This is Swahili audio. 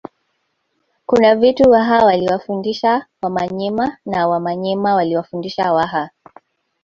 Kuna vitu Waha waliwafundisha Wamanyema na Wamanyema waliwafundisha Waha